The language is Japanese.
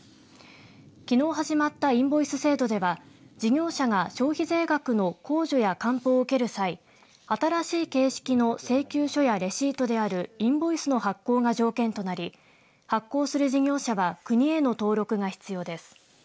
きのう始まったインボイス制度では事業者が消費税額の控除や還付を受ける際新しい形式の請求書やレシートであるインボイスの発行が条件となり発行する事業者は国への登録が必要です。